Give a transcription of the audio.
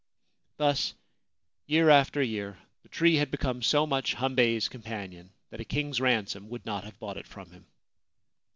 Thus, year after year, the tree had become so much Hambei's companion that a king's ransom would not have bought it from him.